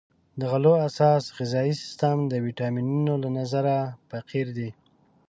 د غلو اساس غذایي سیستم د ویټامینونو له نظره فقیر دی.